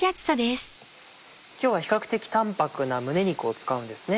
今日は比較的淡泊な胸肉を使うんですね。